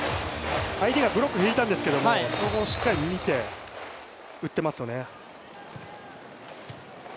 相手がブロック引いたんですけど、そこをしっかり見て打っていますよね。